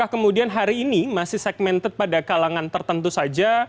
kemudian hari ini masih segmented pada kalangan tertentu saja